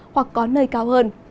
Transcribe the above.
hoặc có nơi cao hơn